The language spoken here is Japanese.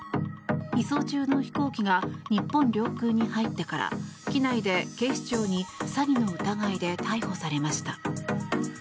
移送中の飛行機が日本領空に入ってから機内で、警視庁に詐欺の疑いで逮捕されました。